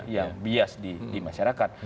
yang bias di masyarakat